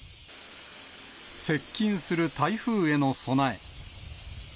接近する台風への備え。